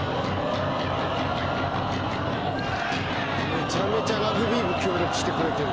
めちゃめちゃラグビー部協力してくれてる。